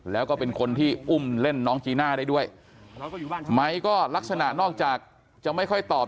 แล้วก็เป็นคนที่อุ้มเล่นน้องจีน่าได้ด้วยไม้ก็ลักษณะนอกจากจะไม่ค่อยตอบ